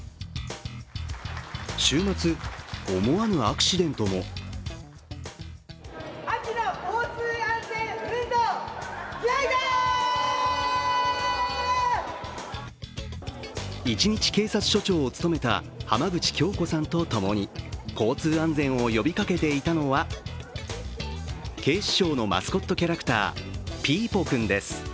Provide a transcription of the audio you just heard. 週末、思わぬアクシデントも一日警察署長を務めた浜口京子さんと共に交通安全を呼びかけていたのは警視庁のマスコットキャラクター、ピーポくんです。